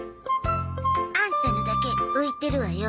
アンタのだけ浮いてるわよ。